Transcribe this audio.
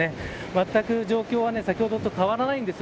まったく状況は先ほどと変わらないんです。